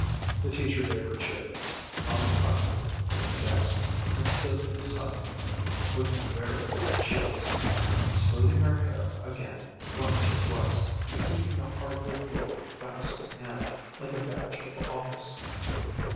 The teacher gave her chair on the platform to the guest, and stood beside him with very red cheeks, smoothing her hair again once or twice, and keeping the hard wood ruler fast in hand, like a badge of office.